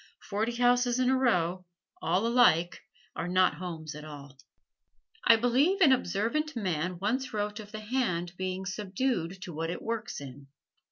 Forty houses in a row, all alike, are not homes at all. I believe an observant man once wrote of the hand being subdued to what it works in.